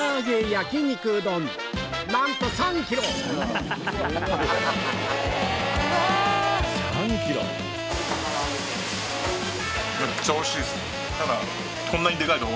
なんと３ｋｇただ。